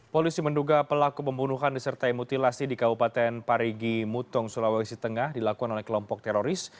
polisi menduga pelaku pembunuhan disertai mutilasi di kabupaten parigi mutong sulawesi tengah dilakukan oleh kelompok teroris